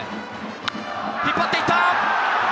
引っ張っていった！